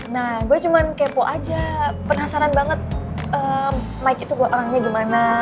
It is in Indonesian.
nah gue cuma kepo aja penasaran banget mike itu gue orangnya gimana